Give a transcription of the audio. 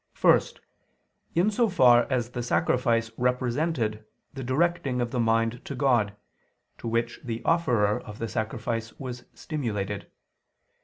First, in so far as the sacrifice represented the directing of the mind to God, to which the offerer of the sacrifice was stimulated.